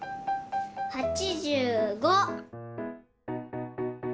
８５！